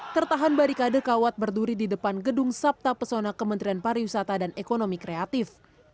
tertahan barikade kawat berduri di depan gedung sabta pesona kementerian pariwisata dan ekonomi kreatif